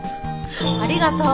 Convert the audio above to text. ありがとう。